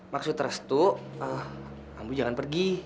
maksud restu ambu jangan pergi